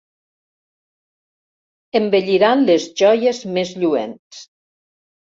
Embelliran les joies més lluents.